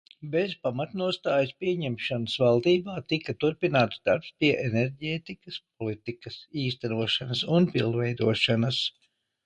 Bez pamatnostājas pieņemšanas valdībā tika turpināts darbs pie enerģētikas politikas īstenošanas un pilnveidošanas.